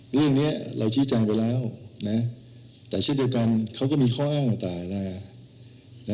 เรื่องนี้เราชี้แจงไปแล้วนะแต่เช่นเดียวกันเขาก็มีข้ออ้างต่าง